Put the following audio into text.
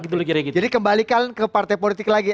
jadi kembalikan ke partai politik lagi